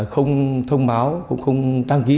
không thông báo cũng không đăng ký